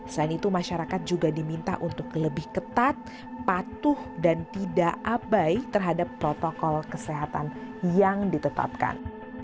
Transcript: selain itu masyarakat juga diminta untuk lebih ketat patuh dan tidak abai terhadap protokol kesehatan yang ditetapkan